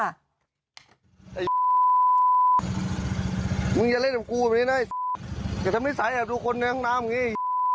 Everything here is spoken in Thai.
ไอ้มึงอย่าเล่นกับกูแบบนี้นะไอ้อย่าจะไม่ใสแอบดูคนในห้องน้ำอย่างงี้